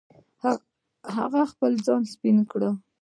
هغه خپل ځان سپین کړ.